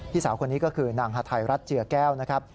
พี่สาวคนนี้ก็คือนางฮัทัยรัตเจียแก้วนะครับ